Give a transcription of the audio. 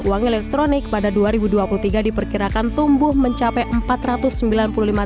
uang elektronik pada dua ribu dua puluh tiga diperkirakan tumbuh mencapai rp empat ratus sembilan puluh lima triliun